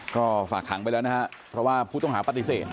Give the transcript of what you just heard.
ก็ฝากขังไปแล้วนะครับเพราะว่าผู้ต้องหาปฏิเสธ